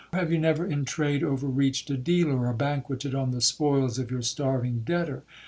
—Have you never in trade overreached a dealer, or banquetted on the spoils of your starving debtor?